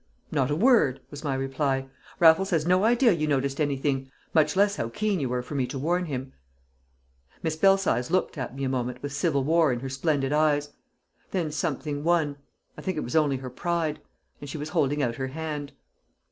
"Not a word," was my reply. "Raffles has no idea you noticed anything, much less how keen you were for me to warn him." Miss Belsize looked at me a moment with civil war in her splendid eyes. Then something won I think it was only her pride and she was holding out her hand.